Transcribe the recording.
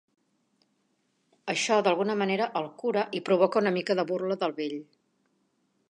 Això d'alguna manera el cura i provoca una mica de burla del vell.